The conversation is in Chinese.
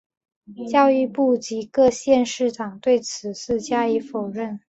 教育部及各县市长对此事加以否认。